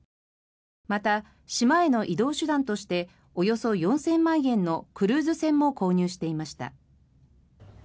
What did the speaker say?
また、島への移動手段としておよそ４０００万円のクルーズ船も購入していました。